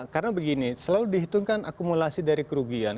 karena begini selalu dihitungkan akumulasi dari kerugian